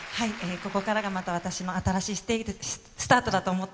ここからがまた、私の新しいスタートだと思って